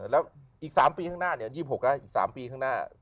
แล้วอีก๓๖ปีข้างหน้า